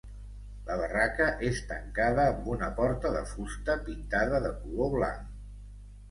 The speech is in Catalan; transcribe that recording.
La barraca és tancada amb una porta de fusta pintada de color blanc.